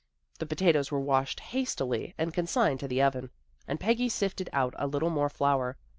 The potatoes were washed hastily and con signed to the oven, and Peggy sifted out a little more flour.